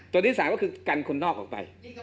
ตัวที่๓ก็คือกันคนนอกออกไป